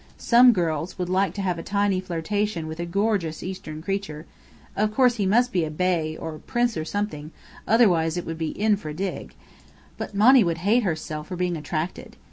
Some girls would like to have a tiny flirtation with a gorgeous Eastern creature (of course, he must be a bey, or prince or something, otherwise it would be infra dig), but Monny would hate herself for being attracted.